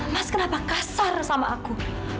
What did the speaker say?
mas kenapa kasar sama aku